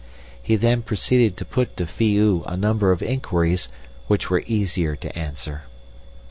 He then proceeded to put to Phi oo a number of inquiries which were easier to answer.